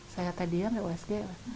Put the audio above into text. saya teh diam di osg